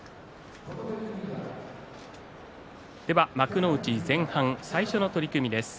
幕内前半の最初の取組です。